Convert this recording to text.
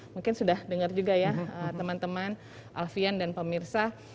mungkin sudah dengar juga ya teman teman alfian dan pemirsa